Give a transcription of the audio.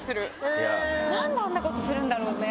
なんであんなことするんだろうねって。